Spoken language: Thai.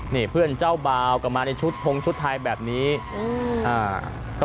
นี่เพื่อนเจ้าบ่าวก็มาในชุดทงชุดไทยแบบนี้อืมอ่า